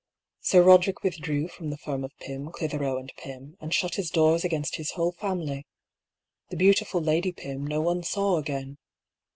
Sir Roderick withdrew from the firm of Pym, Clithero, and Pym, and shut his doors against his whole family. The beau tiful Lady Pym no one saw again.